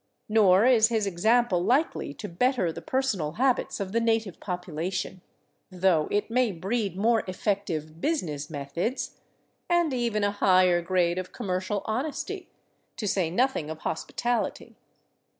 Nor is his example likely to better the personal habits of the native population, though it may breed more effective " business methods," and even a higher grade of commercial honesty — to say nothing of hospitality.